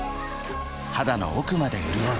肌の奥まで潤う